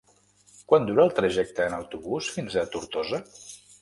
Quant dura el trajecte en autobús fins a Tortosa?